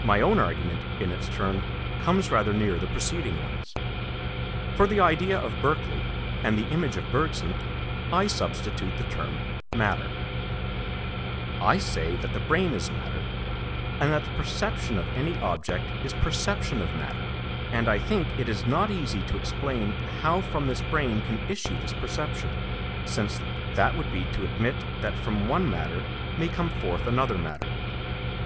My own argument in its turn comes rather near the preceding ones. For the idea of Berkeley, and the image of Bergson, I substitute the term matter. I say that the brain is matter, and that the perception of any object is perception of matter, and I think it is not easy to explain how from this brain can issue this perception, since that would be to admit that from one matter may come forth another matter.